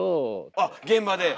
あっ現場で。